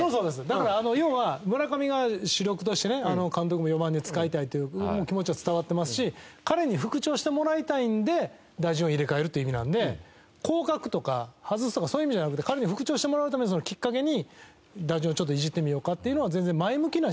だから要は村上が主力としてね監督も４番で使いたいという気持ちは伝わってますし彼に復調してもらいたいんで打順を入れ替えるっていう意味なんで降格とか外すとかそういう意味じゃなくて彼に復調してもらうためそのきっかけに打順をちょっといじってみようかっていうのは。